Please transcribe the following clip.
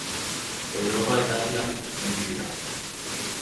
Europa eta Asian bizi dira.